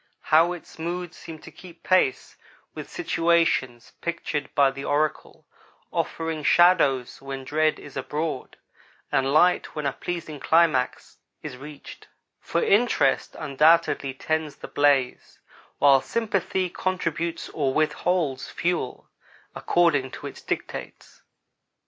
How its moods seem to keep pace with situations pictured by the oracle, offering shadows when dread is abroad, and light when a pleasing climax is reached; for interest undoubtedly tends the blaze, while sympathy contributes or withholds fuel, according to its dictates.